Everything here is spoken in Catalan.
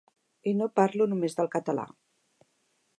I no parlo només del català.